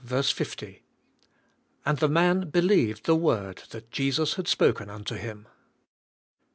— And the man believed the word that Jesus had spoken unto him.